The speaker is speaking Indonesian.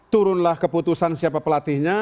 turunlah keputusan siapa pelatihnya